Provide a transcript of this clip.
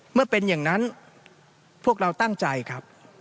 เมื่อเป็นอย่างนั้นพวกเราตั้งใจครับ